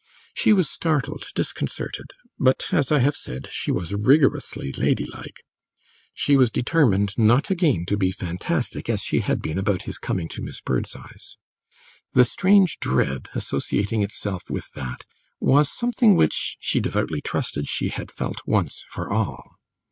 She was startled, disconcerted, but as I have said, she was rigorously lady like. She was determined not again to be fantastic, as she had been about his coming to Miss Birdseye's. The strange dread associating itself with that was something which, she devoutly trusted, she had felt once for all.